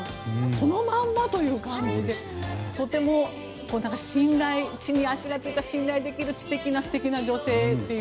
そのままという感じでとても地に足がついた信頼できる知的な女性という。